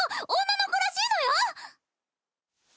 女の子らしいのよ！